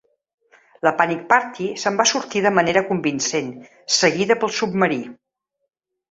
La "Panic party" se'n va sortir de manera convincent, seguida pel submarí.